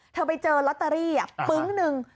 เธอไปเจอล็อตเตอรี่อะปึ๊งหนึ่ง